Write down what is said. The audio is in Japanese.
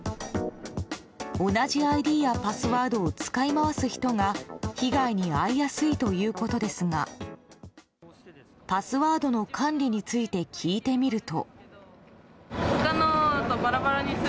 同じＩＤやパスワードを使い回す人が被害に遭いやすいということですがパスワードの管理について聞いてみると。